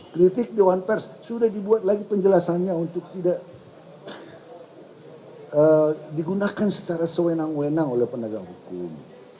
kritik dewan pers sudah dibuat lagi penjelasannya untuk tidak digunakan secara sewenang wenang oleh penegak hukum